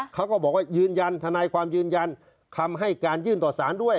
เขาก็บอกว่ายืนยันทนายความยืนยันคำให้การยื่นต่อสารด้วย